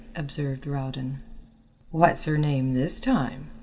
observed Rowden. "What's her name this time?"